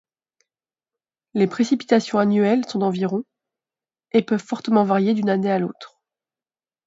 Les précipitations annuelles sont d'environ et peuvent fortement varier d'une année à l'autre.